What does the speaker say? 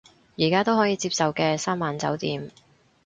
而家都可以接受嘅，三晚酒店